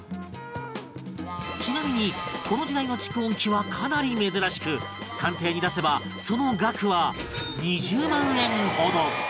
ちなみにこの時代の蓄音機はかなり珍しく鑑定に出せばその額は